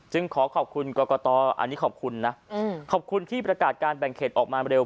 จึงขอขอบคุณกรกตขอบคุณที่ประกาศการแบ่งเขตออกมาเร็ว